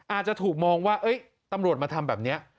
อาจจะถูกมองว่าตำรวจมาทำแบบนี้